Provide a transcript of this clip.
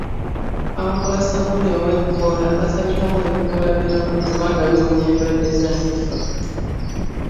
Abakola ssabbuuni ow’ebikoola batabikamu ebikoola byagwo kubanga biwonya endwadde z’ensusu.